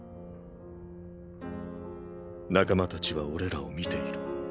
仲間たちは俺らを見ている。